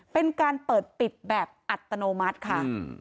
เป็นการเปิดปิดแบบอัตโนมัติค่ะ